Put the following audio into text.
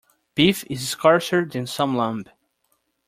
Beef is scarcer than some lamb.